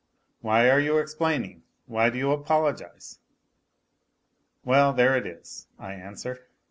Why are you explaining ? Why do you apologize ? Well, there it is, I answer.